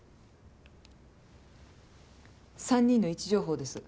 ３人の位置情報です。